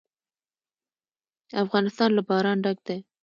افغانستان له باران ډک دی.